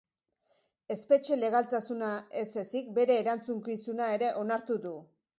Espetxe legaltasuna ez ezik, bere erantzukizuna ere onartu du.